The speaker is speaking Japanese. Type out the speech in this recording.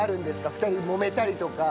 ２人もめたりとか。